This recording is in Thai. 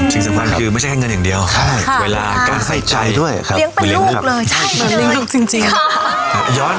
จริงสังความคือไม่ใช่แค่เงินอย่างเดียวเวลาการใส่ใจเลี้ยงเป็นลูกเลยเลี้ยงเป็นลูกจริง